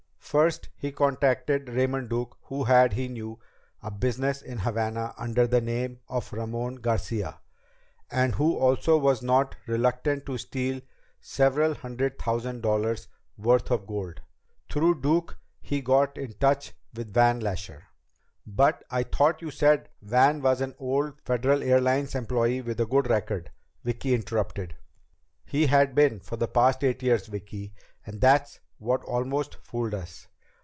"First he contacted Raymond Duke who had, he knew, a business in Havana under the name of Ramon Garcia and who also was not reluctant to steal several hundred thousand dollars' worth of gold. Through Duke he got in touch with Van Lasher." "But I thought you said Van was an old Federal Airlines employee with a good record," Vicki interrupted. "He had been for the past eight years, Vicki, and that's what almost fooled us.